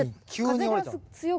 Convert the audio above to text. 風が強くて。